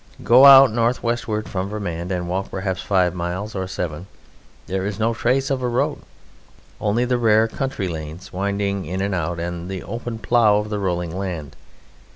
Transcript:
Go out north westward from Vermand and walk perhaps five miles, or seven: there is no trace of a road, only the rare country lanes winding in and out, and the open plough of the rolling land.